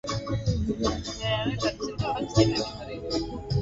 Mahali nimefika.